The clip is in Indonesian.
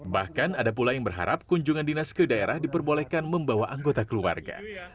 bahkan ada pula yang berharap kunjungan dinas ke daerah diperbolehkan membawa anggota keluarga